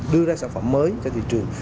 đưa ra sản phẩm mới cho thị trường